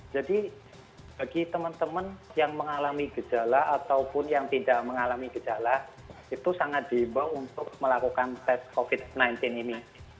jadi bagi teman teman yang mengalami gejala ataupun yang tidak mengalami gejala itu sangat dibawa untuk melakukan tes covid sembilan belas ini